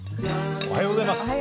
おはようございます。